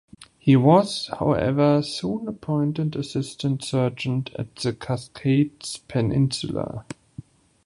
He was, however, soon appointed assistant surgeon at the Cascades Peninsula.